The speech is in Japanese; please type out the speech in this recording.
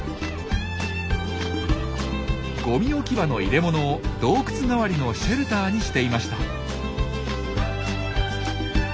ゴミ置き場の入れ物を洞窟代わりのシェルターにしていました。